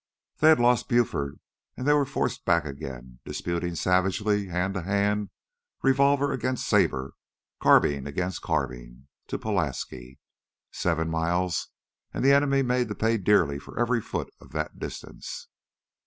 They had lost Buford and they were forced back again, disputing savagely hand to hand, revolver against saber, carbine against carbine to Pulaski. Seven miles, and the enemy made to pay dearly for every foot of that distance.